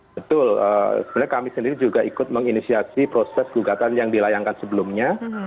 betul sebenarnya kami sendiri juga ikut menginisiasi proses gugatan yang dilayangkan sebelumnya